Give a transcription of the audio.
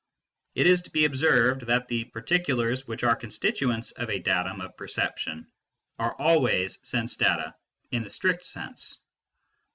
It is to be observed that the particulars which are constituents of a datum of perception are always sense data in the strict sense.